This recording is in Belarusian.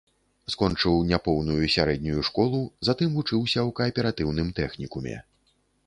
Скончыў няпоўную сярэднюю школу, затым вучыўся ў кааператыўным тэхнікуме.